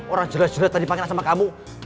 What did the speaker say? orang jelas jelas tadi panggilan sama kamu